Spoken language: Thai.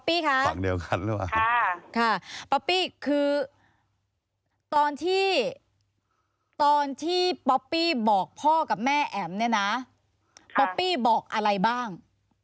ป๊อปปี้คือตอนที่ป๊อปปี้บอกพ่อกับแม่แอ๋มเนี่ยนะป๊อปปี้บอกอะไรบ้าง